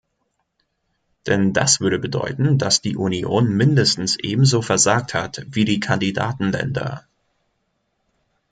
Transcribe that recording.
Denn das würde bedeuten, dass die Union mindestens ebenso versagt hat wie die Kandidatenländer.